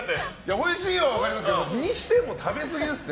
おいしいのは分かりますけど食べ過ぎですって。